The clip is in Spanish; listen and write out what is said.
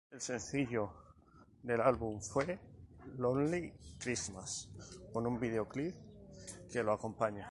El sencillo del álbum fue "Lonely Christmas", con un videoclip que lo acompaña.